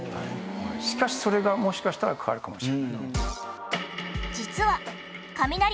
しかしそれがもしかしたら変わるかもしれない。